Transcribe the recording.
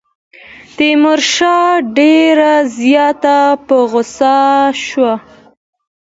تیمورشاه ډېر زیات په غوسه شو.